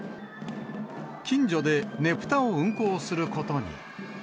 近所でねぷたを運行することに。